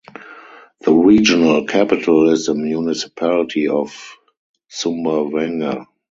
The regional capital is the municipality of Sumbawanga.